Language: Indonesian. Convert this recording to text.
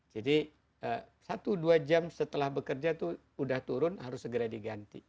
jadi satu dua jam setelah bekerja itu udah turun harus segera diganti